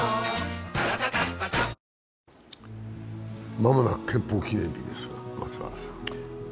間もなく憲法記念日ですが、松原さん。